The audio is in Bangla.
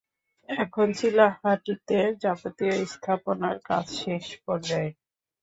এখন চিলাহাটিতে যাবতীয় স্থাপনার কাজ শেষ পর্যায়ে।